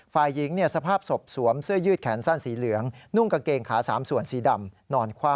ฝ่ายหญิงสภาพศพสวมเสื้อยืดแขนสั้นสีเหลืองนุ่งกางเกงขา๓ส่วนสีดำนอนคว่ำ